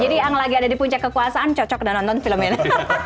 yang lagi ada di puncak kekuasaan cocok dan nonton film ini